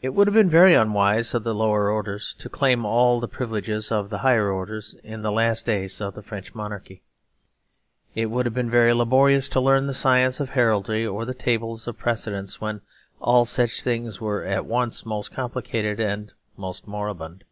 It would have been very unwise of the lower orders to claim all the privileges of the higher orders in the last days of the French monarchy. It would have been very laborious to learn the science of heraldry or the tables of precedence when all such things were at once most complicated and most moribund.